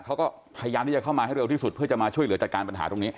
เขาก็พยายามที่จะเข้ามาให้เร็วที่สุดเพื่อจะมาช่วยเหลือจัดการปัญหาตรงนี้